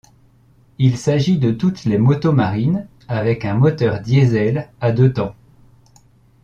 Il s'agit de toutes les motomarines avec un moteur diesel à deux temps.